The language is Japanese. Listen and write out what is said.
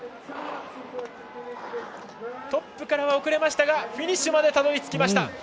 トップからは遅れましたがフィニッシュまでたどり着いた。